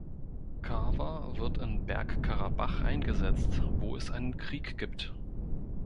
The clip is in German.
Carver wird in Bergkarabach eingesetzt, wo es einen Krieg gibt.